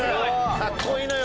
かっこいいのよ